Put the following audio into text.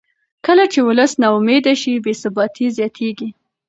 کله چې ولس نا امیده شي بې ثباتي زیاتېږي